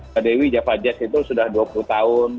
pak dewi javajet itu sudah dua puluh tahun